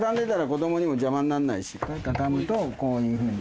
たたむとこういうふうに。